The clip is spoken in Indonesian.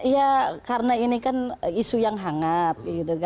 ya karena ini kan isu yang hangat